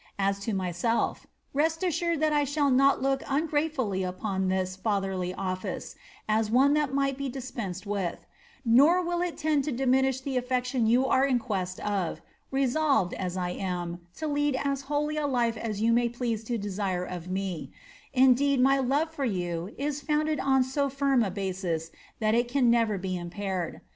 As to myselfj rest assured that I shall not ungratefully look upon this fatherly office, as one that might be dispensed with ; nor will it tend to diminish the atTection you are in quest of, resolved, as I am, to lead as holy a life as yoa may please to desire of me ; indeed my love for you is founded on so firm a ba^is that it can never be impaired.